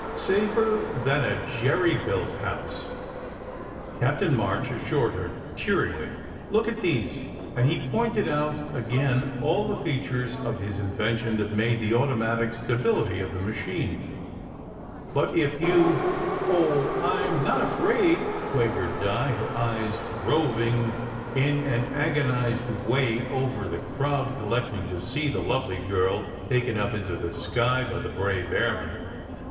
Safer than a jerry built house," Captain March assured her cheeringly ." Look at these !" 46 SECRET HISTORY and he pointed out again all the features of his invention that made the automatic stability of the machine. " But if you " "Oh! I m not afraid," quavered Di, her eyes roving in an agonized way over the crowd collecting to see the lovely girl taken up into the sky by the brave airman.